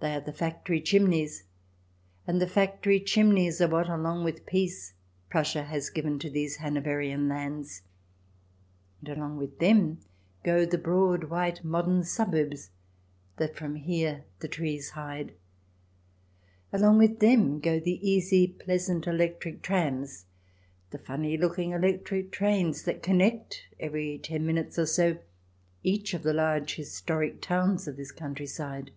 They are the factory chimneys ; and the factory chimneys are what, along with peace, Prussia has given to these Hanoverian lands. And along with them go the broad white modern suburbs that from here the trees hide. Along with them go the easy, pleasant, electric trams, the funny looking electric trains that connect, every ten minutes or so, each of the large historic towns of this country side.